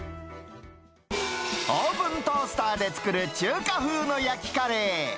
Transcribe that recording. オーブントースターで作る中華風の焼きカレー。